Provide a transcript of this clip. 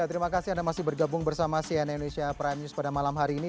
terima kasih anda masih bergabung bersama sian indonesia prime news pada malam hari ini